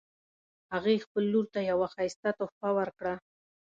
هغې خپل لور ته یوه ښایسته تحفه ورکړه